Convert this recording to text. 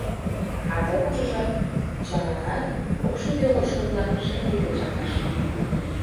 — А кокымшыжо, чылаланат кокшӱдӧ ошкыллан шеҥгеке чакнаш.